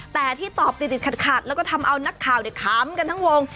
แต่ที่ตอบติดขัดแล้วก็ทำเอานักข่าวขำกันทั้งวง